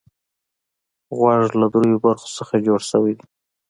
غوږ له دریو برخو څخه جوړ شوی دی.